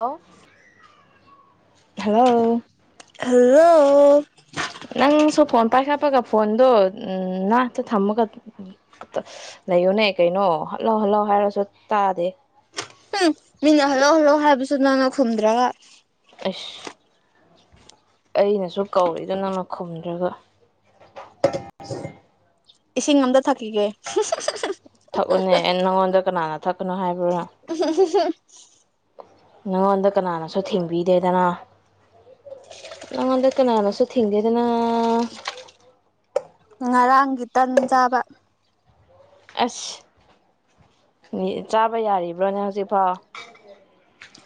ꯂꯣ hello hello ꯅꯪꯁꯨ phone ꯄꯥꯏꯈꯠꯄꯒ ꯐꯣꯟꯗꯣ ꯎꯝ ꯅꯥꯛꯇ ꯊꯝꯃꯒ ꯂꯩꯌꯨꯅꯦ ꯀꯩꯅꯣ ꯍꯜꯂꯥꯎ ꯍꯜꯂꯥꯎ ꯍꯥꯏꯔꯁꯨ ꯇꯥꯗꯦ ꯎꯝ ꯃꯤꯅ ꯍꯜꯂꯣ ꯍꯜꯂꯣ ꯍꯥꯏꯕꯁꯨ ꯅꯪꯅ ꯈꯨꯝꯗ꯭ꯔꯒ ꯑꯩꯁ ꯑꯩꯅꯁꯨ ꯀꯧꯔꯤꯗꯣ ꯅꯪꯅ ꯈꯨꯝꯗ꯭ꯔꯒ ꯏꯁꯤꯡ ꯑꯝꯇ ꯊꯛꯈꯤꯒꯦ ꯊꯛꯎꯅꯦ ꯑꯦ ꯅꯪꯉꯣꯟꯗ ꯀꯅꯥꯅ ꯊꯛꯀꯅꯣ ꯍꯥꯏꯕ꯭ꯔꯥ ꯅꯉꯣꯟꯗ ꯀꯅꯥꯅꯁꯨ ꯊꯦꯡꯕꯤꯗꯦꯗꯅ ꯅꯉꯣꯟꯗ ꯀꯅꯥꯅꯁꯨ ꯊꯤꯡꯗꯦꯗꯅ ꯉꯔꯥꯡꯒꯤ ꯇꯟ ꯆꯥꯕ ꯑꯁ ꯅꯤ ꯆꯥꯕ ꯌꯥꯔꯤꯕ꯭ꯔꯣꯅꯦ ꯍꯧꯖꯤꯛꯐꯥꯎ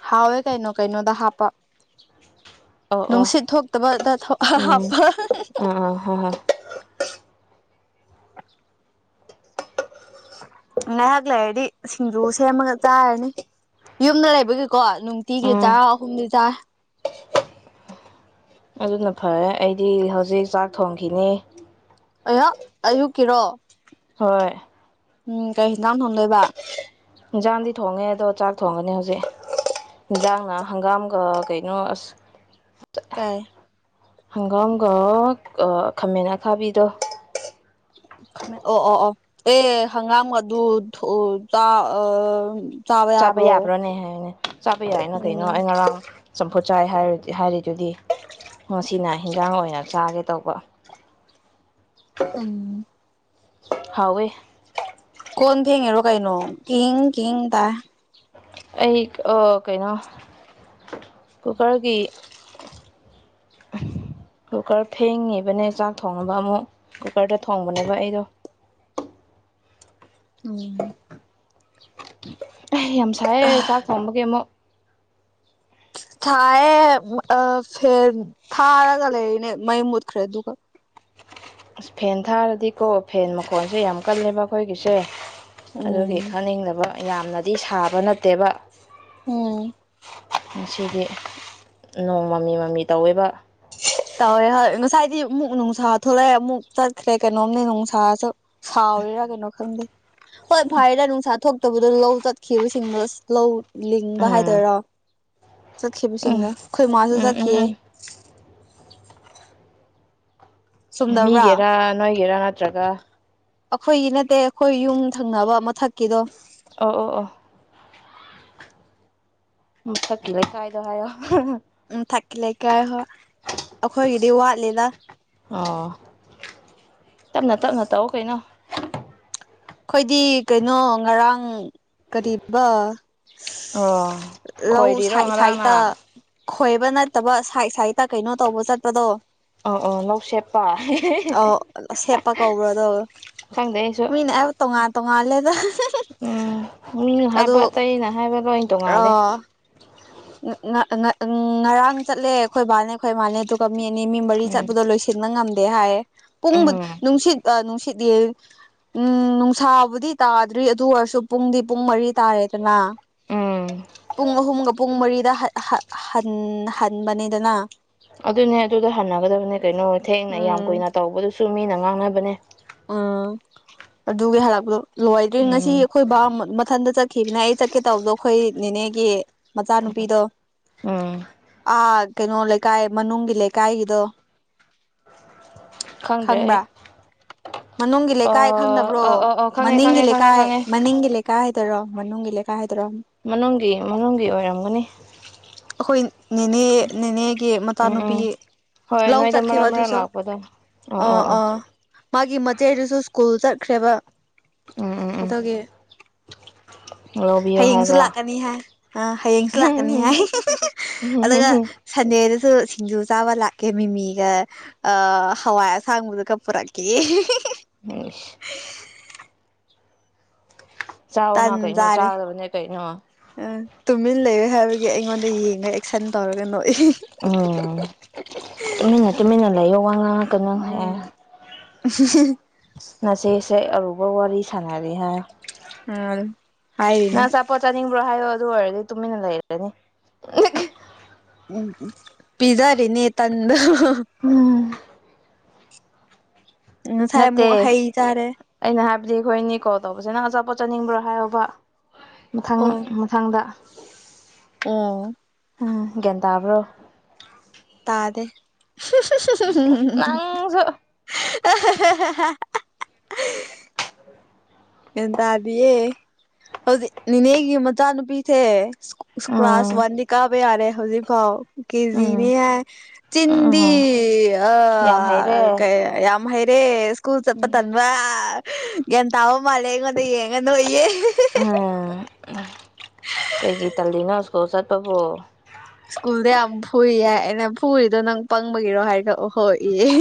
ꯍꯥꯎꯋꯦ ꯀꯩꯅꯣ ꯀꯩꯅꯣꯗ ꯍꯥꯄ ꯑꯣ ꯑꯣ ꯅꯨꯡꯁꯤꯠ ꯊꯣꯛꯇꯕꯗ ꯊꯣꯛ ꯍꯥꯞꯄ ꯑ ꯉꯥꯏꯍꯥꯛ ꯂꯩꯔꯗꯤ ꯁꯤꯡꯖꯨ ꯁꯦꯝꯃꯒ ꯆꯥꯔꯅꯤ ꯌꯨꯝꯗ ꯂꯩꯕꯒꯤꯀꯣ ꯅꯨꯡꯇꯤꯒꯤ ꯎꯝ ꯆꯥꯔ ꯑꯍꯨꯝꯗꯤ ꯆꯥꯏ ꯑꯗꯨꯅ ꯐꯔꯦ ꯑꯩꯗꯤ ꯍꯧꯖꯤꯛ ꯆꯥꯛ ꯊꯣꯡꯈꯤꯅꯤ ꯑꯩꯌꯥ ꯑꯌꯨꯛꯀꯤꯔꯣ ꯍꯣꯏ ꯎꯝ ꯀꯔꯤ ꯍꯤꯟꯖꯥꯡ ꯊꯣꯡꯗꯣꯏꯕ ꯏꯟꯁꯥꯡꯗꯤ ꯊꯣꯡꯉꯦ ꯑꯗꯣ ꯆꯥꯛ ꯊꯣꯡꯒꯅꯤ ꯍꯧꯖꯤꯛ ꯍꯤꯟꯖꯥꯡꯅ ꯍꯪꯒꯥꯝꯒ ꯀꯩꯅꯣ ꯑꯁ ꯀꯩ ꯍꯪꯒꯥꯝꯒ ꯑ ꯈꯥꯃꯦꯟ ꯑꯈꯥꯕꯤꯗꯣ ꯈꯥꯃꯦꯟ ꯑꯣ ꯑꯣ ꯑꯣ ꯑꯦ ꯍꯪꯒꯥꯝ ꯑꯗꯨ ꯊꯣ ꯆꯥ ꯑ ꯆꯥꯕ ꯌꯥꯕ꯭ꯔꯣꯅꯦ ꯍꯥꯏꯅꯦ ꯆꯥꯕ ꯌꯥꯏꯅ ꯀꯩꯅꯣ ꯎꯝ ꯑꯩ ꯉꯔꯥꯡ ꯆꯝꯐꯨꯠ ꯆꯥꯏ ꯍꯥꯏꯔꯤ ꯍꯥꯢꯔꯤꯗꯨꯗꯤ ꯉꯁꯤꯅ ꯍꯤꯟꯖꯥꯡ ꯑꯣꯏꯅ ꯆꯥꯒꯦ ꯇꯧꯕ [inaudible] [inaudible] ꯎꯝ ꯍꯥꯎꯋꯤ ꯀꯣꯟ ꯐꯦꯡꯉꯤꯔꯣ ꯀꯩꯅꯣ ꯀꯦꯡ ꯀꯦꯡ ꯇꯥꯢ ꯑꯩ ꯑꯥ ꯀꯩꯅꯣ ꯀꯨꯀꯔꯒꯤ ꯀꯨꯀꯔ ꯐꯦꯡꯉꯤꯕꯅꯦ ꯆꯥꯛ ꯊꯣꯡꯅꯕ ꯑꯃꯨꯛ ꯀꯨꯀꯔꯗ ꯊꯣꯡꯕꯅꯦꯕ ꯑꯩꯗꯣ ꯎꯝ ꯌꯥꯝ ꯁꯥꯏꯑꯦ ꯆꯥꯛ ꯊꯣꯡꯕꯒꯤ ꯑꯃꯨꯛ ꯊꯥꯢꯌꯦ ꯑ ꯐꯦꯟ ꯊꯥꯔꯒ ꯂꯩ ꯏꯅꯦ ꯃꯩ ꯃꯨꯠꯈ꯭ꯔꯦ ꯑꯗꯨꯒ ꯑꯁ ꯐꯦꯟ ꯊꯥꯔꯗꯤꯀꯣ ꯐꯦꯟ ꯃꯈꯣꯟꯁꯦ ꯌꯥꯝ ꯀꯜꯂꯦꯕ ꯑꯩꯈꯣꯏꯒꯤꯁꯦ ꯑꯗꯨꯒꯤ ꯎꯝ ꯊꯥꯅꯤꯡꯗꯕ ꯌꯥꯝꯅꯗꯤ ꯁꯥꯕ ꯅꯠꯇꯦꯕ ꯎꯝ ꯉꯁꯤꯗꯤ ꯅꯣꯡ ꯃꯃꯤ ꯃꯃꯤ ꯇꯧꯋꯦꯕ ꯇꯧꯋꯦ ꯍꯣꯏ ꯉꯁꯥꯏꯗꯤ ꯑꯃꯨꯛ ꯅꯨꯡꯁꯥ ꯊꯣꯛꯂꯛꯑꯦ ꯑꯃꯨꯛ ꯆꯠꯈ꯭ꯔꯦ ꯀꯩꯅꯣꯝꯅꯦ ꯅꯨꯡꯁꯥꯁꯨ ꯁꯥꯎꯔꯤꯔꯥ ꯀꯩꯅꯣ ꯈꯪꯗꯦ ꯍꯣꯏ ꯐꯥꯔꯦꯗ ꯅꯨꯡꯁꯥ ꯊꯣꯛ ꯇꯕꯗꯣ ꯂꯧ ꯆꯠꯈꯤꯕꯁꯤꯡꯗꯣ ꯑꯁ ꯂꯧ ꯂꯤꯡꯕ ꯎꯝ ꯍꯥꯏꯗꯣꯏꯔꯣ ꯎꯝ ꯆꯠꯈꯤꯕꯁꯤꯡꯗꯣ ꯑꯈꯣꯏ ꯃꯥꯁꯨ ꯎꯝ ꯎꯝ ꯆꯠꯈꯤꯌꯦ ꯎꯝ ꯆꯨꯝꯗꯕ꯭ꯔꯥ ꯃꯤꯒꯤꯔ ꯅꯣꯏꯒꯤꯔ ꯅꯠꯇ꯭ꯔꯒ ꯑꯈꯣꯏꯒꯤ ꯅꯠꯇꯦ ꯑꯈꯣꯏ ꯌꯨꯝ ꯊꯪꯅꯕ ꯃꯊꯛꯀꯤꯗꯣ ꯑꯣ ꯑꯣ ꯑꯣ ꯃꯊꯛꯀꯤ ꯂꯩꯀꯥꯏꯗꯣ ꯍꯥꯏꯌꯣ ꯃꯊꯛꯀꯤ ꯂꯩꯀꯥꯏ ꯍꯣꯏ ꯑꯈꯣꯏꯒꯤꯗꯤ ꯋꯥꯠꯂꯤꯗ ꯑꯣ ꯇꯞꯅ ꯇꯞꯅ ꯇꯧꯋꯣ ꯀꯩꯅꯣ ꯑꯈꯣꯏꯗꯤ ꯀꯩꯅꯣ ꯉꯔꯥꯡ ꯀꯔꯤꯕ ꯑꯣ [unintelligible] ꯂꯧ ꯈꯣꯏꯔꯤꯔꯣ ꯁꯥꯏꯠ ꯁꯥꯏꯠꯇ ꯉꯔꯥꯡꯅ ꯈꯣꯏꯕ ꯅꯠꯇꯕ ꯁꯥꯏꯠ ꯁꯥꯏꯠꯇ ꯀꯩꯅꯣ ꯇꯧꯕ ꯆꯠꯄꯗꯣ ꯑꯧ ꯑꯧ ꯂꯧ ꯁꯦꯞꯄ ꯑꯧ ꯁꯦꯠꯄ ꯀꯧꯕ꯭ꯔꯗꯣ [unintelligible] ꯈꯪꯗꯦ ꯑꯩꯁꯨ ꯃꯤꯅ ꯑꯩꯕꯨ ꯇꯣꯉꯥꯟ ꯇꯣꯉꯥꯜꯂꯦꯗ [unintelligible] ꯎꯝ ꯃꯤꯅ ꯑꯗꯨ ꯍꯥꯏꯕ ꯑꯇꯩꯅ ꯍꯥꯏꯕ ꯂꯣꯏ ꯇꯣꯡꯉꯥꯜꯂꯦ ꯉ ꯉ ꯉ ꯉꯔꯥꯡ ꯆꯠꯂꯦ ꯑꯩꯈꯣꯏ ꯕꯥꯅꯦ ꯑꯩꯈꯣꯏ ꯃꯥꯅꯦ ꯑꯗꯨ ꯃꯤ ꯑꯅꯤ ꯃꯤ ꯃꯔꯤ ꯎꯝ ꯆꯠꯄꯗꯣ ꯂꯣꯏꯁꯤꯟꯕ ꯉꯝꯗꯦ ꯍꯥꯏꯌꯦ ꯄꯨꯡꯕꯨ ꯎꯝ ꯅꯨꯡꯁꯤꯠ ꯑ ꯅꯨꯡꯁꯤꯠꯌꯦ ꯅꯨꯡ ꯁꯥꯕꯨꯗꯤ ꯇꯥꯗ꯭ꯔꯤ ꯑꯗꯨ ꯑꯣꯏꯔꯁꯨ ꯄꯨꯡꯗꯤ ꯄꯨꯡ ꯃꯔꯤ ꯇꯥꯔꯦꯗꯅ ꯎꯝ ꯄꯨꯡ ꯑꯍꯨꯝꯒ ꯄꯨꯡ ꯃꯔꯤꯗ ꯍꯠ ꯍ ꯍꯟ ꯍꯟꯕꯅꯦꯗꯅ ꯑꯗꯨꯅꯦ ꯑꯗꯨꯗ ꯍꯟꯅꯒꯗꯕꯅꯦ ꯀꯩꯅꯣ ꯊꯦꯡꯅ ꯌꯥꯝ ꯎꯝ ꯀꯨꯏꯅ ꯇꯧꯕꯗꯨꯁꯨ ꯃꯤꯅ ꯉꯥꯡꯅꯕꯅꯦ ꯑꯪ ꯑꯗꯨꯒꯤ ꯍꯜꯂꯛꯄꯗꯣ ꯂꯣꯏꯗ꯭ꯔꯤ ꯉꯁꯤ ꯎꯝ ꯑꯩꯈꯣꯏ ꯕꯥ ꯃ ꯃꯊꯟꯗ ꯆꯠ ꯈꯤꯕꯅꯦ ꯑꯩ ꯆꯠꯀꯦ ꯇꯧꯕꯗꯣ ꯑꯈꯣꯏ ꯅꯤꯅꯦꯒꯤ ꯃꯆꯥꯅꯨꯄꯤꯗꯣ ꯎꯝ ꯑꯥ ꯀꯩꯅꯣ ꯂꯩꯀꯥꯏ ꯃꯅꯨꯡꯒꯤ ꯂꯩꯀꯥꯏꯒꯤꯗꯣ ꯈꯪꯗ꯭ꯔꯦ ꯑꯩ ꯈꯪꯕ꯭ꯔꯥ ꯃꯅꯨꯡꯒꯤ ꯑ ꯂꯩꯀꯥꯏ ꯈꯪꯗꯕ꯭ꯔꯣ ꯑ ꯑ ꯑ ꯈꯪꯉꯦ ꯃꯅꯤꯡꯒꯤ ꯈꯪꯉꯦ ꯈꯪꯉꯦ ꯂꯩꯀꯥꯏ ꯈꯪꯉꯦ ꯃꯅꯤꯡꯒꯤ ꯂꯩꯥꯀ ꯀꯥꯏꯗꯔꯣ ꯃꯅꯨꯡꯒꯤ ꯂꯩꯀꯥꯏꯗꯔꯣ ꯃꯅꯨꯡꯒꯤ ꯃꯅꯨꯡꯒꯤ ꯑꯣꯏꯔꯝꯒꯅꯤ ꯑꯩꯈꯣꯏ ꯅꯤꯅꯦ ꯅꯤꯅꯦꯒꯤ ꯎꯝ ꯃꯆꯥꯅꯨꯄꯤ ꯎꯝ ꯍꯣꯏ ꯂꯧ ꯅꯣꯏꯗ ꯃꯔꯛ ꯆꯠꯈꯤꯕ ꯃꯔꯛ ꯑꯗꯨꯁꯨ ꯂꯥꯛꯄꯗꯣ ꯑꯣ ꯑ ꯑꯣ ꯑꯣ ꯑ ꯃꯥꯒꯤ ꯃꯆꯦꯗꯨꯁꯨ ꯁ꯭ꯀꯨꯜ ꯆꯠꯈ꯭ꯔꯦꯕ ꯎꯝ ꯎꯝ ꯎꯝ ꯑꯗꯨꯒꯤ ꯂꯧꯕꯤꯌꯣ ꯍꯌꯦꯡꯁꯨ ꯍꯥꯏꯕ ꯂꯥꯛꯀꯅꯤ ꯍꯥꯏ ꯑ ꯍꯌꯦꯡꯁꯨ ꯂꯥꯛꯀꯅꯤ ꯍꯥꯏ ꯑꯗꯨꯒ ꯁꯟꯗꯦꯗꯁꯨ ꯁꯤꯡꯖꯨ ꯆꯥꯕ ꯂꯥꯛꯀꯦ ꯃꯤꯃꯤꯒ ꯑ ꯍꯋꯥꯏ ꯑꯁꯥꯡꯕꯤꯒ ꯄꯨꯔꯛꯀꯦꯌ‌ꯦ ꯏꯁ ꯆꯥꯎꯋꯣꯅ ꯀꯩꯅꯣ ꯆꯥꯒꯗꯕꯅꯦ ꯀꯩꯅꯣ ꯑ ꯇꯨꯃꯤꯟ ꯂꯩꯌ‌ꯦ ꯍꯥꯏꯕꯒꯤ ꯑꯩꯉꯣꯟꯗ ꯌꯦꯡꯉꯒ ꯑꯦꯛꯁꯟ ꯇꯧꯔꯒ ꯅꯣꯛꯏ ꯑꯣ ꯇꯨꯃꯤꯟꯅ ꯇꯨꯃꯤꯟꯅ ꯂꯩꯌꯣ ꯋꯥ ꯉꯥꯡꯉꯛꯀꯅ‌ꯣ ꯎꯝ ꯍꯥꯏꯌ‌ꯦ [unintelligible] ꯉꯁꯤꯁꯦ ꯑꯔꯨꯕ ꯋꯥꯔꯤ ꯁꯥꯟꯅꯔꯤ ꯍꯥꯏꯌ‌ꯦ ꯑ ꯍꯥꯏꯔꯤꯅꯦ ꯄꯣꯠ ꯆꯥꯅꯤꯡꯕ꯭ꯔꯣ ꯍꯥꯏꯌꯣ ꯑꯗꯨ ꯑꯣꯏꯔꯗꯤ ꯇꯨꯃꯤꯟꯅ ꯂꯩꯔꯅꯤ ꯎꯝ ꯄꯤꯖꯥꯔꯤꯅꯦ ꯇꯟꯗꯣ ꯍꯨꯉ ꯉꯁꯥꯏ ꯑꯃꯨꯛ ꯅꯠꯇꯦ ꯍꯩ ꯆꯥꯔꯦ ꯑꯩꯅ ꯍꯥꯏꯕꯗꯤ ꯑꯩꯈꯣꯏꯅꯤ ꯀꯣꯜ ꯇꯧꯕꯁꯤ ꯅꯪ ꯑꯆꯥꯄꯣꯠ ꯆꯥꯅꯤꯡꯕ꯭ꯔꯥ ꯍꯥꯏꯌꯣꯕ ꯃꯊꯪ ꯑꯣ ꯃ ꯊꯪꯗ ꯑꯣ ꯍꯥ ꯒ꯭ꯌꯥꯟ ꯇꯥꯕ꯭ꯔꯣ ꯇꯥꯗꯦ ꯅꯪꯁꯨ [unintelligible] [inaudible] ꯒ꯭ꯌꯥꯟ ꯇꯗꯤꯌꯦ ꯍꯧꯖꯤꯛ ꯅꯤꯅꯦꯒꯤ ꯃꯆꯥꯅꯨꯄꯤꯁꯦ ꯏꯁ ꯎꯝ ꯀ꯭ꯂꯥꯁ ꯋꯥꯟꯗꯤ ꯀꯥꯕ ꯌꯥꯔꯦ ꯍꯧꯖꯤꯛ ꯐꯥꯎ ꯎꯝ ꯀꯦꯖꯤꯅꯦ ꯍꯥꯏ ꯆꯤꯟꯗꯤ ꯎꯝ ꯑ ꯌꯥꯝ ꯍꯩꯔꯦ ꯀ ꯌꯥꯝ ꯌꯥꯝ ꯍꯩꯔꯦ ꯁ꯭ꯀꯨꯜ ꯆꯠꯄ ꯇꯟꯕ ꯒ꯭ꯌꯥꯟ ꯇꯥꯑꯣ ꯃꯥꯜꯂꯦ ꯑꯩꯉꯣꯟꯗ ꯌꯦꯡꯉ ꯅꯣꯛꯏꯌꯦ ꯑ ꯀꯩꯒꯤ ꯇꯜꯂꯤꯅꯣ ꯁ꯭ꯀꯨꯜ ꯆꯠꯄꯕꯨ ꯁ꯭ꯀꯨꯜꯗ ꯌꯥꯝ ꯐꯨꯏ ꯍꯥꯏ ꯑꯩꯅ ꯐꯨꯔꯤꯗꯣ ꯅꯪ ꯄꯪꯕꯒꯤꯔꯣ ꯍꯥꯏꯔꯒ ꯑ‌ꯣ ꯍꯣꯏꯌ‌ꯦ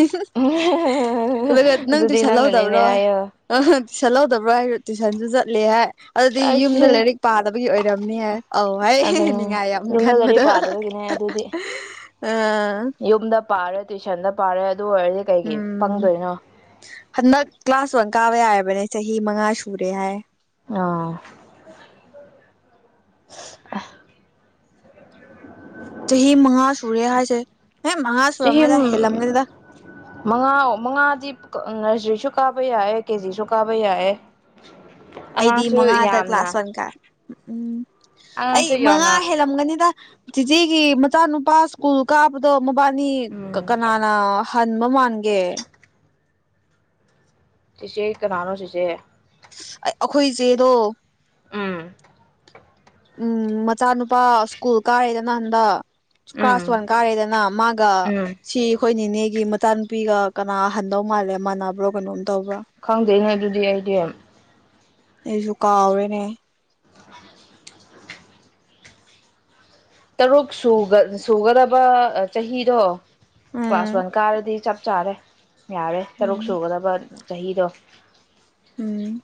ꯑꯗꯨꯗꯤ ꯅꯪꯅꯅꯤꯅꯦ ꯍꯥꯏꯌ‌ꯣ ꯆꯠꯍꯧꯗꯕ꯭ꯔ‌ꯣ ꯍꯥꯏꯌ‌ꯣ ꯇꯨꯏꯁꯟꯁꯨ ꯆꯠꯂ‌ꯦ ꯍꯥꯏ ꯑꯗꯤ ꯌꯨꯝꯗ ꯑꯩꯁ ꯂꯥꯏꯔꯤꯛ ꯄꯥꯗꯕꯒꯤ ꯑꯣꯏꯔꯝꯅꯤ ꯍꯥꯏ ꯑꯧ ꯍꯥꯏ ꯅꯤꯡꯉꯥꯏ ꯌꯥꯝ ꯀꯟꯕꯗ‌ꯣ ꯗꯨꯗꯤ ꯄꯥꯗꯕꯒꯤꯅꯦꯍ‌ꯦ ꯑꯗꯨꯗꯤ ꯌꯨꯝꯗ ꯄꯥꯔꯦ ꯇꯨꯏꯁꯟꯗ ꯄꯥꯔꯦ ꯑꯗꯨ ꯑꯣꯏꯔꯗꯤ ꯀꯩꯒꯤ ꯎꯝ ꯄꯪꯗꯣꯏꯅꯣ ꯍꯟꯗꯛ ꯀ꯭ꯂꯥꯁ ꯋꯥꯟ ꯀꯥꯕ ꯌꯥꯔꯕꯅꯦ ꯆꯍꯤ ꯃꯉꯥ ꯁꯨꯔꯦ ꯍꯥꯏ ꯑꯥ ꯑ ꯆꯍꯤ ꯃꯉꯥ ꯁꯨꯔꯦ ꯍꯥꯏꯁꯦ ꯑꯦ ꯃꯉꯥ ꯆꯍꯤ ꯁꯨꯔꯝꯃꯣꯏꯗ ꯍꯦꯜꯂꯝꯒꯅꯤꯗ ꯃꯉꯥ ꯃꯉꯥꯗꯤ ꯀ ꯅꯔꯖꯔꯤꯁꯨ ꯀꯥꯕ ꯌꯥꯏꯌ‌ꯦ ꯀꯦꯖꯤꯁꯨ ꯀꯥꯕ ꯌꯥꯏꯌ‌ꯦ ꯑꯩꯗꯤ ꯃꯉꯥꯗ ꯀ꯭ꯂꯥꯁ ꯋꯥꯟ ꯀꯥꯏ ꯎꯝ ꯑꯩ ꯑꯉꯥꯡꯁꯨ ꯃꯉꯥ ꯌꯥꯝꯅ ꯍꯦꯜꯂꯝꯒꯅꯤꯗ ꯆꯤꯆꯦꯒꯤ ꯃꯆꯥꯅꯨꯄꯥ ꯁ꯭ꯀꯨꯜ ꯀꯥꯕꯗꯣ ꯃꯕꯥꯏꯅꯤ ꯎꯝ ꯀꯅꯥꯅ ꯍꯟꯕ ꯃꯥꯟꯒꯦ ꯆꯤꯆꯦ ꯀꯅꯥꯅꯣ ꯆꯤꯆꯦ ꯑꯩ ꯑꯩꯈꯣꯏ ꯆꯦꯗꯣ ꯎꯝ ꯎꯝ ꯃꯆꯥꯅꯨꯄꯥ ꯁ꯭ꯀꯨꯜ ꯀꯥꯔꯦꯗ ꯍꯟꯗꯛ ꯀ꯭ꯂꯥꯁ ꯎꯝ ꯋꯥꯟ ꯀꯥꯔꯦꯗꯅ ꯃꯥꯒ ꯎꯝ ꯁꯤ ꯑꯩꯈꯣꯏ ꯅꯤꯅꯦꯒꯤ ꯃꯆꯥ ꯅꯨꯨꯄꯤꯒ ꯀꯅꯥ ꯍꯟꯗꯧ ꯃꯥꯜꯂꯦ ꯃꯥꯟꯅꯕ꯭ꯔꯣ ꯀꯩꯅꯣꯝ ꯇꯧꯕ꯭ꯔꯥ ꯈꯪꯗꯦꯍꯦ ꯑꯗꯨꯗꯤ ꯑꯩꯗꯤ ꯑꯩꯁꯨ ꯀꯥꯎꯔꯦꯅꯦ ꯇꯔꯨꯛ ꯁꯨꯒ ꯁꯨꯒꯗꯕ ꯆꯍꯤꯗꯣ ꯀ꯭ꯂꯥꯁ ꯎꯝ ꯋꯥꯟ ꯀꯥꯔꯗꯤ ꯆꯞ ꯆꯥꯔꯦ ꯌꯥꯔꯦ ꯇꯔꯨꯛ ꯎꯝ ꯁꯨꯒꯗꯕ ꯆꯍꯤꯗꯣ ꯎꯝ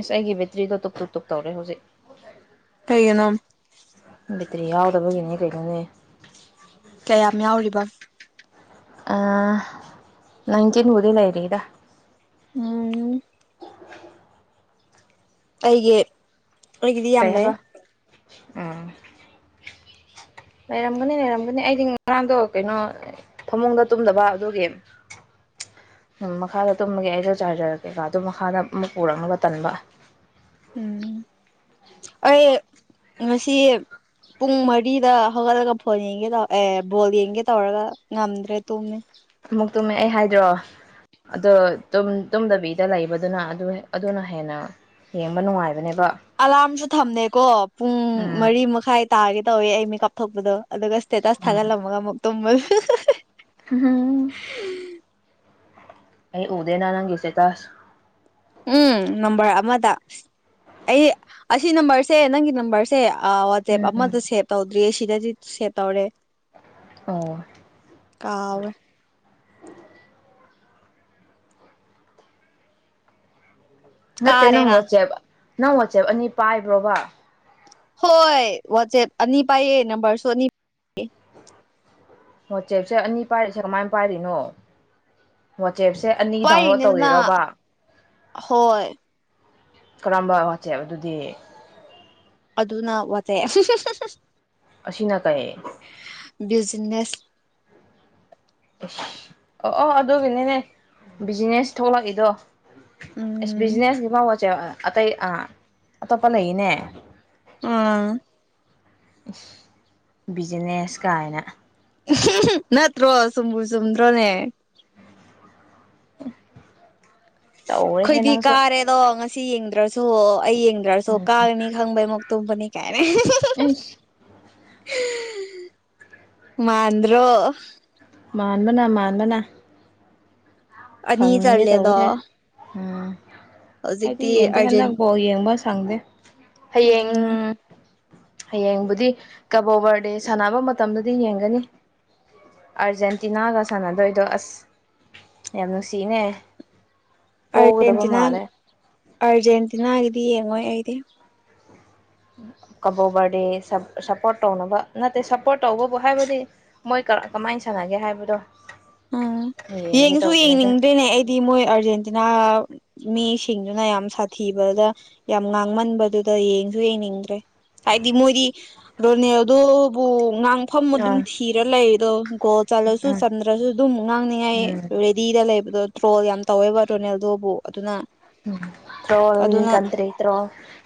ꯑꯁ ꯑꯩꯒꯤ ꯕꯦꯇ꯭ꯔꯤꯗꯣ ꯇꯨꯞ ꯇꯨꯞ ꯇꯨꯨꯞ ꯇꯧꯔꯦ ꯍꯧꯖꯤꯛ ꯀꯩꯒꯤꯅꯣ ꯕꯦꯇ꯭ꯔꯤ ꯌꯥꯎꯗꯕꯒꯤꯅꯦ ꯀꯩꯅꯣꯅꯦ ꯀꯌꯥꯝ ꯌꯥꯎꯔꯤꯕ ꯑꯥ ꯅꯥꯏꯇꯤꯟꯕꯨꯗꯤ ꯂꯩꯔꯤꯗ ꯎꯝ ꯑꯩꯒꯤ ꯑꯩꯒꯤꯗꯤ ꯌꯥꯝ ꯂꯩ ꯀꯩꯍꯥꯏꯕ ꯎꯝ ꯂꯩꯔꯝꯒꯅꯤ ꯂꯩꯔꯝꯒꯅꯤ ꯑꯩꯗꯤ ꯉꯔꯥꯡꯗꯣ ꯀꯩꯅꯣ ꯐꯃꯨꯡꯗ ꯇꯨꯝꯗꯕ ꯑꯗꯨꯒꯤ ꯑꯝ ꯃꯈꯥꯗ ꯇꯨꯝꯕꯒꯤ ꯑꯩꯁꯨ ꯆꯥꯔꯖꯔꯀꯦꯀꯥ ꯑꯗꯨ ꯃꯈꯥꯗ ꯑꯃꯨꯛ ꯄꯨꯔꯛꯅꯕ ꯇꯟꯕ ꯎꯝ ꯑꯩ ꯉꯁꯤ ꯄꯨꯡ ꯃꯔꯤꯗ ꯍꯧꯒꯠꯂꯒ ꯐꯣꯟ ꯌꯦꯡꯒꯦ ꯇꯧ ꯑꯦ ꯕꯣꯜ ꯌꯦꯡꯒꯦ ꯇꯧꯔꯒ ꯉꯝꯗ꯭ꯔꯦ ꯇꯨꯝꯃꯦ ꯑꯃꯨꯛ ꯇꯨꯝꯃꯦ ꯑꯩ ꯍꯥꯏꯗ꯭ꯔꯣ ꯑꯗꯣ ꯇꯨꯝ ꯇꯨꯝꯗꯕꯤꯗ ꯂꯩꯕꯗꯨꯅ ꯑꯗꯨ ꯑꯗꯨꯅ ꯍꯦꯟꯅ ꯌꯦꯡꯕ ꯅꯨꯡꯉꯥꯏ ꯑꯂꯥꯝꯁꯨ ꯊꯝꯅꯦꯀꯣ ꯄꯨꯡ ꯎꯝ ꯃꯔꯤ ꯃꯈꯥꯏ ꯇꯥꯒꯦ ꯇꯧꯋꯦ ꯑꯩ ꯃꯤ ꯀꯥꯞꯊꯣꯛꯄꯗꯣ ꯑꯗꯨꯒ ꯁꯇꯦꯇꯁ ꯊꯥꯒꯠꯂꯝꯃꯒ ꯑꯃꯨꯛ ꯇꯨꯝꯃ [unintelligible] ꯑꯩ ꯎꯗꯦꯅ ꯅꯪꯒꯤ ꯁꯇꯦꯇꯁ ꯎꯝ ꯅꯝꯕꯔ ꯑꯃꯗ ꯑꯩ ꯑꯁꯤ ꯅꯝꯕꯔꯁꯦ ꯅꯪꯒꯤ ꯅꯝꯕꯔꯁꯦ ꯑꯥ ꯋꯥꯠ ꯆꯦꯞ ꯎꯝ ꯑꯃꯗ ꯁꯦꯞ ꯇꯧꯗ꯭ꯔꯤꯌꯦ ꯁꯤꯗꯗꯤ ꯁꯦꯞ ꯇꯧꯔꯦ ꯑꯣ ꯀꯥꯎꯋꯦ ꯅꯠꯇꯦ ꯅꯪ ꯀꯥꯔꯦꯅ ꯋꯥꯆꯦꯞ ꯅꯪ ꯋꯥꯆꯦꯞ ꯑꯅꯤ ꯄꯥꯏꯕ꯭ꯔꯣꯕ ꯍꯣꯏ ꯋꯥꯠꯆꯦꯞ ꯑꯅꯤ ꯄꯥꯏꯌꯦ ꯅꯝꯕꯔ ꯁꯨ ꯑꯅꯤ ꯋꯥꯆꯦꯞꯁꯦ ꯑꯅꯤ ꯄꯥꯏꯔꯤꯁꯦ ꯀꯃꯥꯏꯟ ꯄꯥꯏꯔꯤꯅꯣ ꯋꯥꯆꯦꯞꯁꯦ ꯑꯅꯤ ꯗꯥꯎꯟꯂꯣꯠ ꯇꯧꯔꯤꯔꯕꯥ ꯑꯍꯣꯏ ꯀꯔꯝꯕ ꯋꯥꯆꯦꯞ ꯑꯗꯨꯗꯤ ꯑꯗꯨꯅ ꯋꯥꯆꯦꯞ ꯑꯁꯤꯅ ꯀꯩ ꯕꯤꯖꯤꯅꯦꯁ ꯑꯁ ꯑꯣ ꯑꯣ ꯑꯗꯨꯒꯤꯅꯤꯅꯦ ꯕꯤꯖꯤꯅꯦꯁ ꯊꯣꯛꯂꯛꯏꯗꯣ ꯏꯁ ꯎꯝ ꯕꯤꯖꯤꯅꯦꯁꯀꯤ ꯐꯥꯎ ꯋꯥꯆꯦꯞ ꯑꯥ ꯑꯇꯩ ꯑꯥ ꯑꯇꯣꯞꯄ ꯂꯩꯌꯦꯅꯦ ꯎꯝ ꯏꯁ ꯕꯤꯖꯤꯅꯦꯁ ꯀꯥꯏꯅ ꯅꯠꯇ꯭ꯔꯣ ꯆꯨꯝꯕꯨ ꯆꯨꯝꯗ꯭ꯔꯣꯅꯦ ꯇꯧꯔꯦꯍꯦ ꯑꯈꯣꯏꯗꯤ ꯅꯪꯁꯨ ꯀꯥꯔꯦꯗꯣ ꯉꯁꯤ ꯌꯦꯡꯗ꯭ꯔꯁꯨ ꯑꯩ ꯌꯦꯡꯗ꯭ꯔꯁꯨ ꯎꯝ ꯀꯥꯒꯅꯤ ꯈꯪꯕꯩꯃꯨꯛ ꯇꯨꯝꯕꯅꯤ ꯀꯥꯏꯅ ꯑꯩꯁ ꯃꯥꯟꯗ꯭ꯔꯣ ꯃꯥꯟꯕꯅ ꯃꯥꯟꯕꯅ ꯑꯅꯤ ꯈꯪꯅꯦ ꯇꯧꯋꯦꯍꯦ ꯆꯜꯂꯦꯗꯣ ꯎꯝ ꯑꯩꯗꯤ ꯍꯧꯖꯤꯛꯇꯤ ꯌꯦꯡꯗꯦꯅ ꯑꯥꯔꯖꯦꯟ ꯅꯪ ꯕꯣꯜ ꯌꯦꯡꯕ ꯁꯪꯗꯦ ꯍꯌꯦꯡ ꯎꯝ ꯍꯌꯦꯡꯕꯨꯗꯤ ꯀꯕꯣꯕꯔꯗꯦ ꯁꯥꯟꯅꯕ ꯃꯇꯝꯗꯗꯤ ꯌꯦꯡꯒꯅꯤ ꯑꯥꯔꯖꯦꯟꯇꯤꯅꯥꯒ ꯁꯥꯟꯅꯗꯣꯏꯗꯣ ꯑꯁ ꯌꯥꯝ ꯅꯨꯡꯁꯤꯅꯦ ꯄꯣꯒꯗꯕ ꯑꯥꯔꯒꯦꯟꯇꯤꯅꯥ ꯃꯥꯜꯂꯦ ꯑꯥꯔꯖꯦꯟꯇꯤꯅꯥꯒꯤꯗꯤ ꯌꯦꯡꯉꯣꯏ ꯑꯩꯗꯤ ꯀꯕꯣꯕꯔꯗꯦ ꯁꯞ ꯁꯞꯄꯣꯔꯠ ꯇꯧꯅꯕ ꯅꯠꯇꯦ ꯁꯞꯄꯣꯔꯠ ꯇꯧꯕꯕꯨ ꯍꯥꯏꯕꯗꯤ ꯃꯣꯏ ꯀꯥ ꯀꯃꯥꯏꯟ ꯁꯥꯟꯅꯒꯦ ꯍꯥꯏꯕꯗꯣ ꯎꯝ ꯌꯦꯡꯒꯦ ꯌꯦꯡꯁꯨ ꯇꯧꯕꯅꯤꯗ ꯌꯦꯡꯅꯤꯡꯗꯦꯅꯦ ꯑꯩꯗꯤ ꯃꯣꯏ ꯑꯥꯔꯖꯦꯟꯇꯤꯅꯥ ꯃꯤꯁꯤꯡꯗꯨꯅ ꯌꯥꯝ ꯁꯥꯊꯤꯕꯗ ꯌꯥꯝ ꯉꯥꯡꯃꯟꯕꯗꯨꯗ ꯌꯦꯡꯁꯨ ꯌꯦꯡꯅꯤꯡꯗ꯭ꯔꯦ ꯍꯥꯏꯗꯤ ꯃꯣꯏꯗꯤ ꯔꯣꯅꯦꯜꯗꯣꯕꯨ ꯉꯥꯡ ꯐꯝ ꯑꯗꯨꯝ ꯑꯥ ꯊꯤꯔ ꯂꯩꯗꯣ ꯒꯣꯜ ꯆꯜꯂꯁꯨ ꯎꯝ ꯆꯟꯗ꯭ꯔꯁꯨ ꯑꯗꯨꯝ ꯉꯥꯡꯅꯤꯡꯉꯥꯏ ꯎꯝ ꯔꯦ ꯗꯤꯗ ꯂꯩꯕꯗꯣ ꯇ꯭ꯔꯣꯜ ꯌꯥꯝ ꯇꯧꯋꯦꯕ ꯔꯣꯅꯦꯜꯗꯣꯕꯨ ꯑꯗꯨꯅ ꯎꯝ ꯇ꯭ꯔꯣꯜ ꯑꯗꯨꯅ ꯀꯟꯇ꯭ꯔꯤ ꯇ꯭ꯔꯣꯜ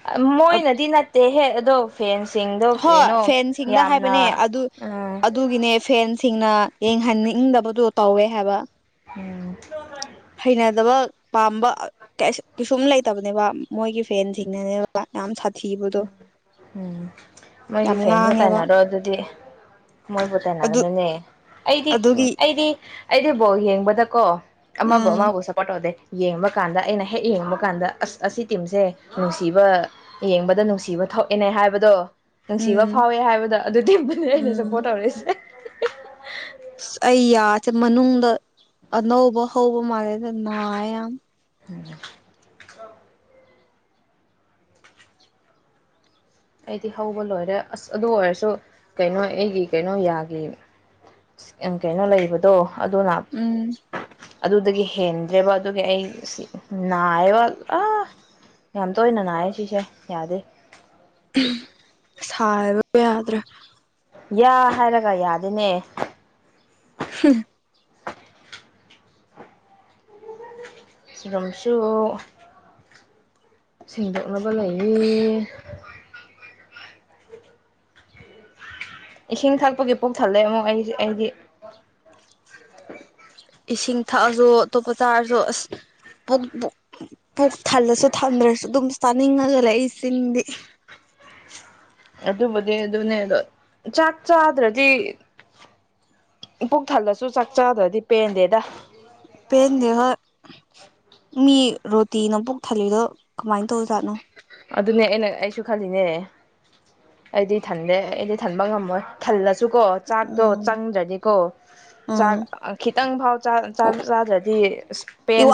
ꯑ ꯃꯣꯏꯅꯗꯤ ꯅꯠꯇꯦꯍꯦ ꯑꯗꯣ ꯐꯦꯟꯁꯤꯡꯗꯣ ꯍꯣꯏ ꯀ꯭ꯔꯤꯅꯣ ꯐꯦꯟꯁꯤꯡꯗ ꯌꯥꯝꯅ ꯍꯥꯏꯕꯅꯦ ꯑꯗꯨ ꯎꯝ ꯑꯗꯨꯒꯤꯅꯦ ꯐꯦꯟꯁꯤꯡꯅ ꯌꯦꯡꯍꯟꯅꯤꯡꯗꯕꯗꯣ ꯇꯧꯋꯦ ꯍꯥꯏꯕ ꯎꯝ ꯍꯩꯅꯗꯕ ꯄꯥꯝꯕ ꯀꯩꯁꯨ ꯀꯩꯁꯨꯝ ꯂꯩꯇꯕꯅꯦꯕ ꯃꯣꯏꯒꯤ ꯐꯦꯟꯁꯤꯡꯅꯅꯦ ꯕ ꯌꯥꯝ ꯁꯥꯊꯤꯕ ꯎꯝ ꯃꯣꯏꯒꯤ ꯌꯥꯝ ꯐꯦꯟꯗ ꯉꯥꯡꯉꯦꯕ ꯇꯥꯏꯅꯔꯣ ꯑꯗꯨꯗꯤ ꯃꯣꯏꯕꯨ ꯑꯗꯨ ꯇꯥꯏꯅꯒꯅꯅꯦ ꯑꯩꯗꯤ ꯎꯝ ꯑꯗꯨꯒꯤ ꯑꯩꯗꯤ ꯑꯩꯗꯤ ꯕꯣꯜ ꯌꯦꯡꯕꯗꯀꯣ ꯑꯃꯕꯨ ꯎꯝ ꯑꯃꯕꯨ ꯁꯞ ꯄꯣꯔꯠ ꯇꯣꯗꯦ ꯌꯦꯡꯕ ꯀꯥꯟꯗ ꯑꯩꯅ ꯍꯦꯛ ꯌꯦꯡꯕ ꯀꯥꯟꯗ ꯑꯁ ꯑꯁꯤ ꯇꯤꯝꯁꯦ ꯅꯨꯡꯁꯤꯕ ꯌꯦꯡꯕ ꯗ ꯅꯨꯡꯁꯤꯕ ꯊꯣꯛꯑꯦꯅꯦ ꯍꯥꯏꯕꯗꯣ ꯅꯨꯡꯁꯤꯕ ꯎꯝ ꯐꯥꯎꯋꯦ ꯍꯥꯏꯕꯗꯣ ꯑꯗꯨ ꯇꯤꯝꯗꯨꯅꯦ ꯑꯩꯅ ꯎꯝ ꯁꯞꯄꯣꯔꯠ ꯇꯧꯔꯤꯁꯦ ꯁ ꯑꯩ ꯌꯥꯁꯦ ꯃꯅꯨꯡꯗ ꯑꯅꯧꯕ ꯍꯧꯕ ꯃꯥꯜꯂꯦꯗ ꯅꯥꯌꯦ ꯌꯥꯝ ꯎꯝ ꯑꯩꯗꯤ ꯍꯧꯕ ꯂꯣꯏꯔꯦ ꯑꯁ ꯑꯗꯨ ꯑꯣꯏꯔꯁꯨ ꯀꯩꯅꯣ ꯑꯩꯒꯤ ꯀꯩꯅꯣ ꯌꯥꯒꯤ ꯌꯥꯝ ꯀꯩꯅꯣ ꯂꯩꯕꯗꯣ ꯑꯗꯨꯅ ꯎꯝ ꯑꯗꯨꯗꯒꯤ ꯍꯦꯟꯗ꯭ꯔꯦꯕ ꯑꯗꯨꯒꯤ ꯑꯩ ꯑꯁꯤ ꯅꯥꯏꯌꯦꯕ ꯑ ꯌꯥꯝ ꯇꯣꯏꯅ ꯅꯥꯏꯌꯦ ꯁꯤꯁꯦ ꯌꯥꯗꯦ ꯁꯥꯏꯕ ꯌꯥꯗ꯭ꯔꯦ ꯌꯥ ꯍꯥꯏꯔꯒ ꯌꯥꯗꯦꯅꯦ [unintelligible] ꯁꯤꯔꯨꯝꯁꯨ ꯁꯦꯡꯗꯣꯛꯅꯕ ꯂꯩꯌꯦ ꯏꯁꯤꯡ ꯊꯛꯄꯒꯤ ꯄꯨꯛ ꯊꯜꯂꯦꯉꯣ ꯑꯩꯗꯤ ꯑꯩꯗꯤ ꯏꯁꯤꯡ ꯊꯛꯑꯁꯨ ꯑꯇꯣꯞꯄ ꯆꯥꯔꯁꯨ ꯑꯁ ꯄꯨꯛꯇꯨ ꯄꯨꯛ ꯊꯜꯂꯁꯨ ꯊꯝꯗ꯭ꯔꯁꯨ ꯗꯨꯝ ꯆꯥꯅꯤꯡꯉꯒ ꯂꯩꯌꯦ ꯆꯤꯟꯗꯤ ꯑꯗꯨꯕꯨꯗꯤ ꯑꯗꯨꯅꯦ ꯗꯣ ꯆꯥꯛ ꯆꯥꯗꯔꯗꯤ ꯄꯨꯛ ꯊꯜꯂꯁꯨ ꯆꯥꯛ ꯆꯥꯗꯔꯗꯤ ꯄꯦꯟꯗꯦꯗ ꯄꯦꯟꯗꯦ ꯍꯣꯏ ꯃꯤ ꯔꯣꯇꯤꯅ ꯄꯨꯛ ꯊꯜꯂꯤꯗꯣ ꯀꯃꯥꯏ ꯇꯧꯖꯥꯠꯅꯣ ꯑꯗꯨꯅꯦ ꯑꯩꯅ ꯑꯩꯁꯨ ꯈꯜꯂꯤꯖꯦ ꯑꯩꯗꯤ ꯊꯟꯗꯦ ꯑꯩꯗꯤ ꯊꯟꯕ ꯉꯝꯃꯣꯏ ꯊꯜꯂꯁꯨ ꯀꯣ ꯆꯥꯛꯇꯣ ꯎꯝ ꯆꯪꯗ꯭ꯔꯗꯤꯀꯣ ꯆꯥꯛ ꯎꯝ ꯑꯥ ꯈꯤꯇꯪ ꯐꯥꯎ ꯆꯥꯛ ꯆꯥꯛ ꯆꯥꯗꯔꯗꯤ ꯑꯁ ꯄꯦꯟ